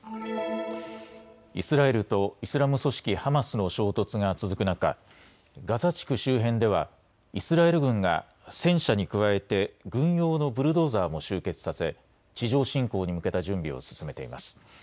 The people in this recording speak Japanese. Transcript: イスラエルとイスラム組織ハマスの衝突が続く中、ガザ地区周辺ではイスラエル軍が戦車に加えて軍用のブルドーザーも集結させ地上侵攻に向けた準備を進めています。